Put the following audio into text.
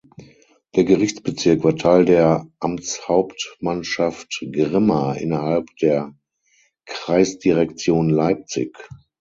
Der Gerichtsbezirk war Teil der Amtshauptmannschaft Grimma innerhalb der Kreisdirektion Leipzig.